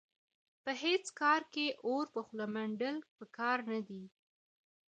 په هېڅ کار کې اور په خوله منډل په کار نه دي.